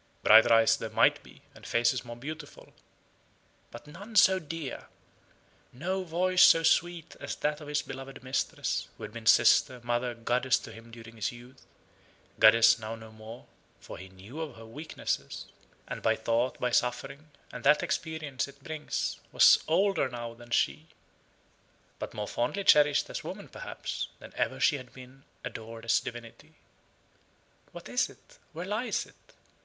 Brighter eyes there might be, and faces more beautiful, but none so dear no voice so sweet as that of his beloved mistress, who had been sister, mother, goddess to him during his youth goddess now no more, for he knew of her weaknesses; and by thought, by suffering, and that experience it brings, was older now than she; but more fondly cherished as woman perhaps than ever she had been adored as divinity. What is it? Where lies it?